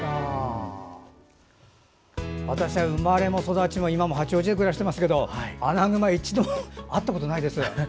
私は生まれも育ちも今も八王子で暮らしていますけどアナグマ一度も会ったことない。